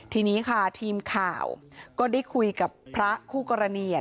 ทีนี้ค่ะทีมข่าวก็ได้คุยกับพระคู่กรณี